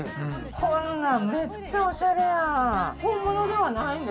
こんなん、めっちゃおしゃれやん。